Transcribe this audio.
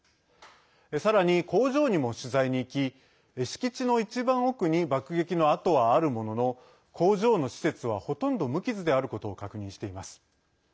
さらに工場にも取材に行き敷地の一番奥に爆撃の跡はあるものの工場の施設はほとんど無傷であることを確認しています。